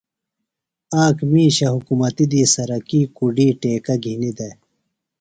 آک مِیشہ حُکمتیۡ دی سرکی کُڈ ٹیکہ گِھینیۡ دےۡ۔